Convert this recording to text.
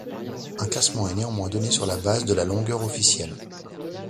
Un classement est néanmoins donné sur la base de la longueur officielle.